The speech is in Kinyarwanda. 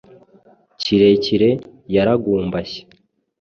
kirekire yaragumbashye.